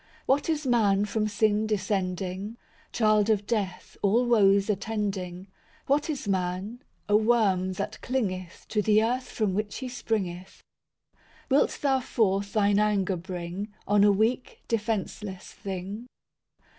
II What is man from sin descending? Child of death, all woes attending. What is man? a worm that clingeth To the earth from which he springeth. Wilt Thou forth Thine anger bring, On a weak, defenceless thing?